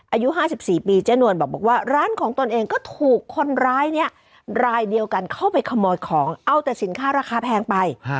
อายุ๕๔ปีเจ๊นวลบอกว่าร้านของตนเองก็ถูกคนร้ายเนี่ยรายเดียวกันเข้าไปขโมยของเอาแต่สินค้าราคาแพงไป